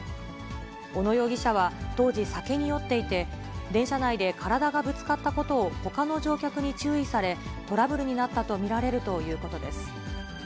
小野容疑者は、当時、酒に酔っていて、電車内で体がぶつかったことをほかの乗客に注意され、トラブルになったと見られるということです。